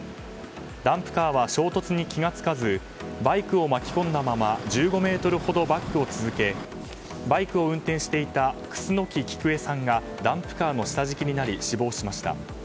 ダンプカーは衝突に気が付かずバイクを巻き込んだまま１５ｍほどバックを続けバイクを運転していた楠紀久江さんがダンプカーの下敷きになり死亡しました。